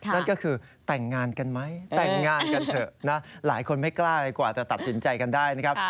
นั่นก็คือแต่งงานกันไหมแต่งงานกันเถอะนะหลายคนไม่กล้าเลยกว่าจะตัดสินใจกันได้นะครับ